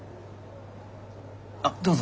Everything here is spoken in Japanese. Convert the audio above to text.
あっどうぞ。